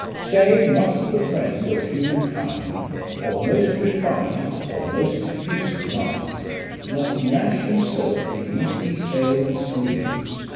" Say, must the friend of human kind, Of most refin'd of most diffusive mind ; Must Nash himself beneath these ailments grieve